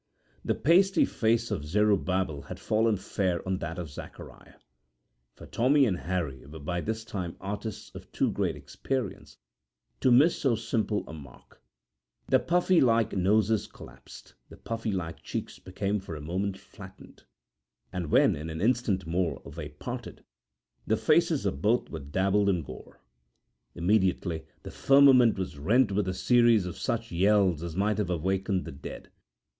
The pasty face of Zerubbabel had fallen fair on that of Zacariah, for Tommy and Harry were by this time artists of too great experience to miss so simple a mark. The putty like noses collapsed, the putty like cheeks became for a moment flattened, and when in an instant more they parted, the faces of both were dabbled in gore. Immediately the firmament was rent with a series of such yells as might have awakened the dead.